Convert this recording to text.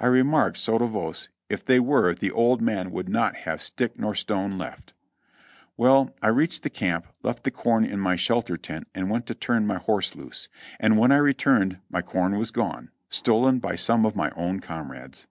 I re marked sotto voce, "If they were, the old man would not have stick nor stone left." Well, I reached the camp, left the corn in my shelter tent and went to turn my horse loose, and when I re turned my corn was gone, stolen by s